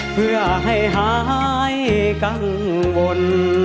เพื่อให้หายกังวล